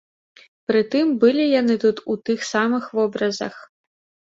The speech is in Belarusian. Пры тым, былі яны тут у тых самых вобразах.